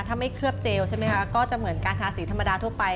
ถ้าไม่เคลือบเจลใช่ไหมคะก็จะเหมือนการทาสีธรรมดาทั่วไป